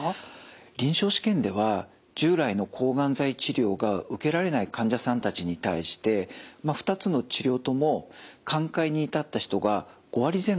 臨床試験では従来の抗がん剤治療が受けられない患者さんたちに対して２つの治療とも寛解に至った人が５割前後いました。